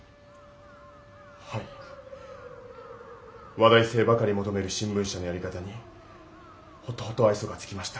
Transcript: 話題性ばかり求める新聞社のやり方にほとほと愛想が尽きました。